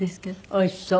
おいしそう。